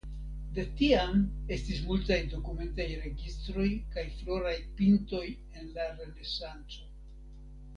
De tiam estis multaj dokumentaj registroj kaj floraj pintoj en la Renesanco.